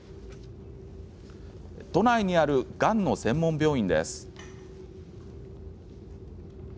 都内にある、がんの専門病院です。